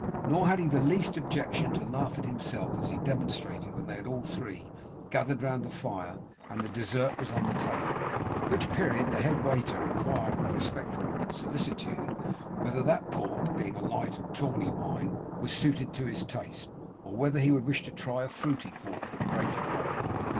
Nor had he the least objection to laugh at himself, as he demonstrated when they had all three gathered round the fire and the dessert was on the table; at which period the head waiter inquired with respectful solicitude whether that port, being a light and tawny wine, was suited to his taste, or whether he would wish to try a fruity port with greater body.